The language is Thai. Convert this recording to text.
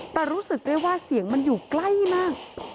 แต่รู้สึกได้ว่าเสียงมันอยู่ใกล้มาก